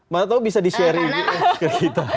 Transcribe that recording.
mana tau bisa di sharing ke kita